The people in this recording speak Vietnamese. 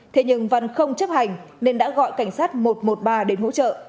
thế nhưng văn không chấp hành nên đã gọi cảnh sát một trăm một mươi ba đến hỗ trợ